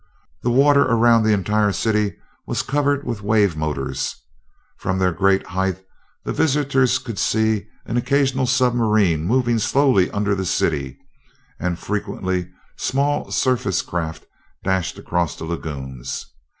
The water around the entire city was covered with wave motors. From their great height the visitors could see an occasional submarine moving slowly under the city, and frequently small surface craft dashed across the lagoons.